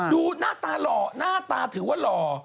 ดูหน้าตาหล่อหน้าตาถือว่าหล่อ